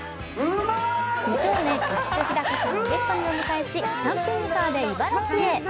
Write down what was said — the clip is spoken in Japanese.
美少年・浮所飛貴さんをゲストにお迎えしキャンピングカーで茨城へ。